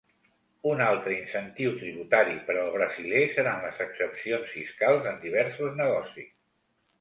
Un altre incentiu tributari per al brasiler seran les exempcions fiscals en diversos negocis.